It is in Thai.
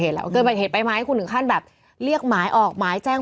แต่เหมือนหลายอย่าง